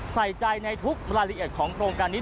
ใส่ใจในทุกรายละเอียดของโครงการนี้